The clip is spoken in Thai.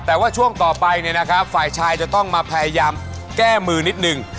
แต่ว่าช่วงต่อไปฝ่ายชายจะต้องมาพยายามแก้มือนิดหนึ่ง